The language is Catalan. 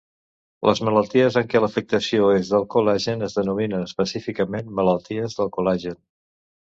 Les malalties en què l'afectació és del col·lagen es denominen, específicament, malalties del col·lagen.